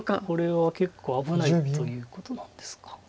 これは結構危ないということなんですか。